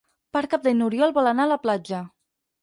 Per Cap d'Any n'Oriol vol anar a la platja.